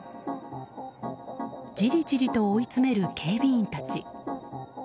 じりじりと追いつめる警備員たち。